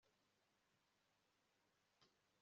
Ariko Eliya yibagirwa Imana maze afata urugendo